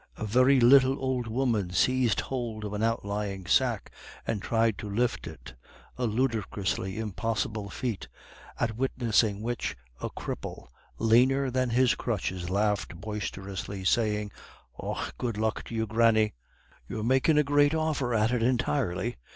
A very little old woman seized hold of an outlying sack and tried to lift it, a ludicrously impossible feat, at witnessing which a cripple leaner than his crutches laughed boisterously, saying, "Och, good luck to you, granny. You're makin' a great offer at it entirely.